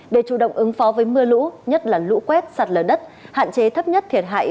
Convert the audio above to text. để chủ động ứng phó với mưa lũ nhất là lũ quét sạt lở đất hạn chế thấp nhất thiệt hại